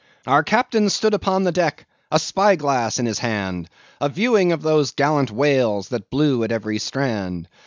_) Our captain stood upon the deck, A spy glass in his hand, A viewing of those gallant whales That blew at every strand.